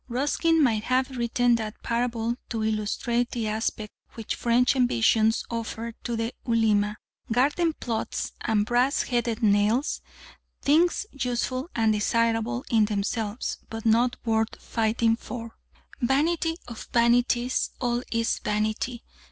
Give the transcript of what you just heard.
Ruskin might have written that parable to illustrate the aspect which French ambitions offered to the Ulema. Garden plots and brass headed nails! Things useful and desirable in themselves, but not worth fighting for. "Vanity of vanities, all is vanity!"